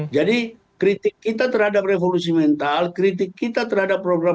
jadi kritik kita terhadap revolusi mental kritik kita terhadap program